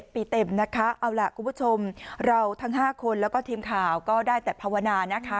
ปีเต็มนะคะเอาล่ะคุณผู้ชมเราทั้ง๕คนแล้วก็ทีมข่าวก็ได้แต่ภาวนานะคะ